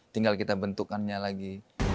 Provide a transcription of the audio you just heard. tinggal kita bentukannya lagi